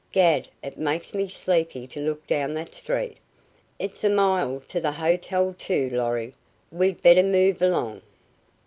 "'Gad, it makes me sleepy to look down that street. It's a mile to the hotel, too, Lorry. We'd better move along."